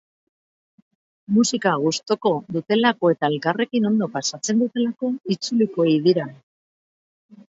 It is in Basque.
Musika gustuko dutelako eta elkarrekin ondo pasatzen dutelako itzuliko ei dira.